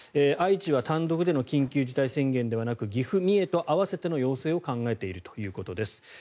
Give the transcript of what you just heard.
愛知は単独での緊急事態宣言ではなく岐阜、三重と合わせての要請を考えているということです。